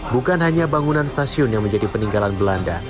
bukan hanya bangunan stasiun yang menjadi peninggalan belanda